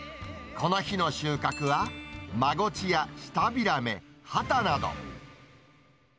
この日の収穫は、マゴチやシタビラメ、ハタなど。